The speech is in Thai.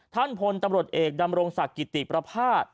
ท่านพลตำรวจเอกดำรงศักดิ์กิติประพาท